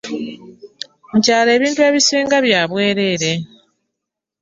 Mu kyalo ebintu ebisinga bya bwereere.